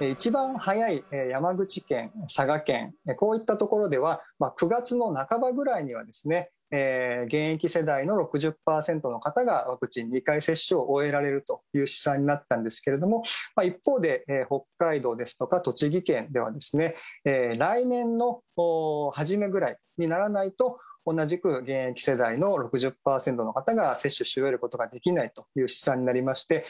一番早い山口県、佐賀県、こういったところでは、９月の半ばぐらいには現役世代の６０％の方がワクチン２回接種を終えられるという試算になったんですけれども、一方で北海道ですとか、栃木県では、来年の初めぐらいにならないと、同じく現役世代の６０％の方が接種し終えることができないという試算になりまして。